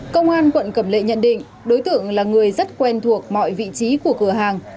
công an quận cẩm lệ nhận định đối tượng là người rất quen thuộc mọi vị trí của cửa hàng